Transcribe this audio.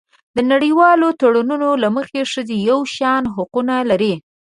د نړیوالو تړونونو له مخې ښځې یو شان حقونه لري.